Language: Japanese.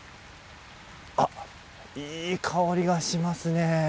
あっ、いい香りがしますね。